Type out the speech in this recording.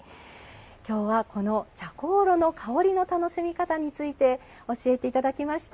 きょうは、この茶香炉の香りの楽しみ方について教えていただきました。